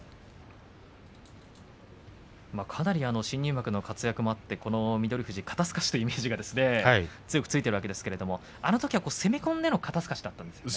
かなり新入幕の活躍もあって、翠富士、肩すかしというイメージが強くついているわけですが、あのときは攻め込んでの肩すかしだったんですね。